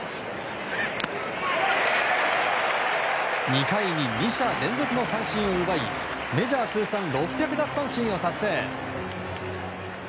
２回に２者連続の三振を奪いメジャー通算６００奪三振を達成。